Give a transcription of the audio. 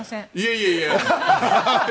いやいや。